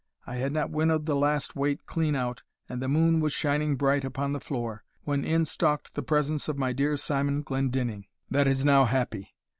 I had not winnowed the last weight clean out, and the moon was shining bright upon the floor, when in stalked the presence of my dear Simon Glendinning, that is now happy.